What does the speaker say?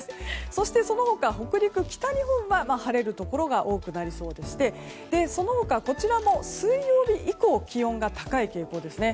そしてその他、北陸、北日本は晴れるところが多くなりそうでその他、水曜日以降気温が高い傾向ですね。